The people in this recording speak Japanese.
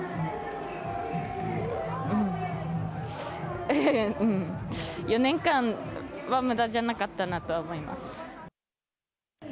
うん、４年間はむだじゃなかったなと思います。